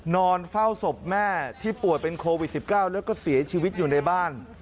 นอนเฝ้าศพแม่ที่ป่วยเป็นโควิด๑๙แล้วก็เสียชีวิตอยู่ในบ้าน